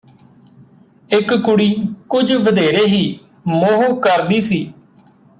ਇਕ ਕੁੜੀ ਕੁਝ ਵਧੇਰੇ ਹੀ ਮੋਹ ਕਰਦੀ ਸੀ